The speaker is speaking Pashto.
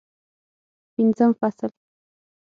پنځم فصل